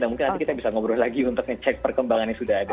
dan mungkin nanti kita bisa ngobrol lagi untuk ngecek perkembangannya sudah ada